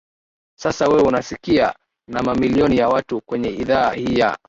sasa wewe unasikika na mamilioni ya watu kwenye idhaa hii ya